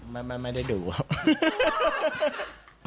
ไม่ได้ดูครับ